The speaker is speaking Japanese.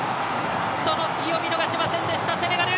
その隙を見逃しませんでしたセネガル！